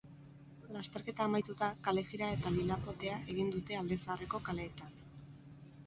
Lasterketa amaituta, kalejira eta lilapotea egin dute alde zaharreko kaleetan.